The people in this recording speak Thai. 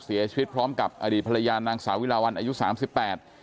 เสียชีวิตพร้อมกับอดีตภรรยานางสาวิลาวันอายุสามสิบแปด